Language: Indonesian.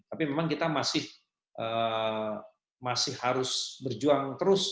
tapi memang kita masih harus berjuang terus